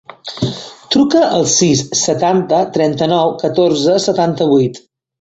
Truca al sis, setanta, trenta-nou, catorze, setanta-vuit.